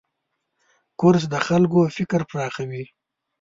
کورس د خلکو فکر پراخوي.